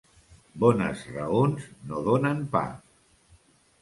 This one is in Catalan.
Bones raons no donen pa.